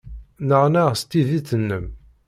Nneɣnaɣ s tiddit-nnem.